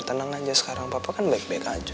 tenang aja sekarang papa kan baik baik aja